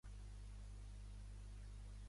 No he anat mai a Benidorm.